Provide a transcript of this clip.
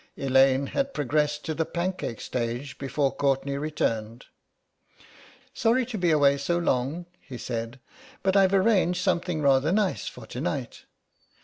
Elaine had progressed to the pancake stage before Courtenay returned. "Sorry to be away so long," he said, "but I've arranged something rather nice for to night.